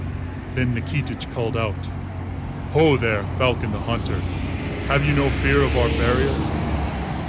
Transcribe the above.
Then Nikitich called out, "Ho, there, Falcon the Hunter! Have you no fear of our barrier?"